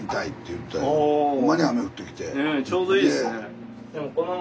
ねえちょうどいいですね。